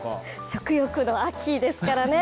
食欲の秋ですからね。